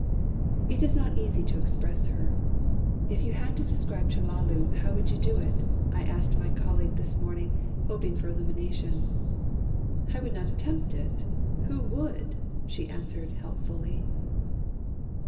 It is not easy to express her. "If you had to describe Chellalu, how would you do it?" I asked my colleague this morning, hoping for illumination. "I would not attempt it! Who would?" she answered helpfully.